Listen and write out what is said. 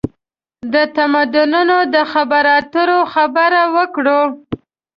د تمدنونو د خبرواترو خبره وکړو.